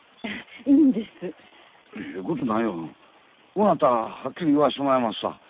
こうなったらはっきり言わしてもらいますわ。